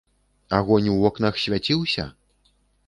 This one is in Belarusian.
Агонь у вокнах свяціўся?